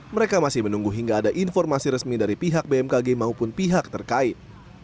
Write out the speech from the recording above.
mereka masih menunggu hingga ada informasi resmi dari pihak bmkg maupun pihak terkait